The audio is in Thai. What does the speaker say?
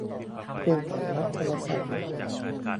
เครื่องตอบรับโทรศัพท์